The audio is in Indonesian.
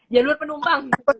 jalur penumpang gitu